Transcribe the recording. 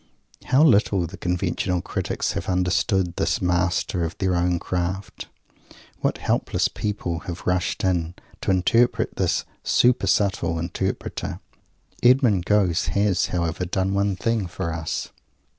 How little the conventional critics have understood this master of their own craft! What hopeless people have "rushed in" to interpret this super subtle Interpreter! Mr. Gosse has, however, done one thing for us.